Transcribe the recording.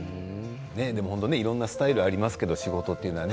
いろいろなスタイルがありますけれども仕事というのは。